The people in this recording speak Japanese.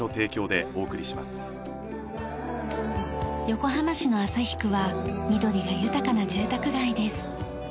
横浜市の旭区は緑が豊かな住宅街です。